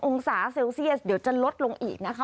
องศาเซลเซียสเดี๋ยวจะลดลงอีกนะคะ